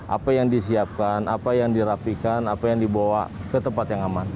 apa yang disiapkan apa yang dirapikan apa yang dibawa ke tempat yang aman